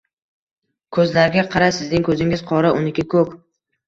Ko'zlariga qara. Sizning ko'zingiz — qora, uniki — qo'k.